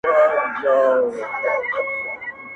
له هر ماښامه تر سهاره بس همدا کیسه وه٫